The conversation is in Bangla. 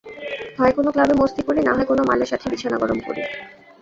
হয় কোনো ক্লাবে মস্তি করি, নাহয় কোনো মালের সাথে বিছানা গরম করি।